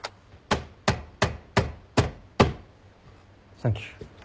サンキュー。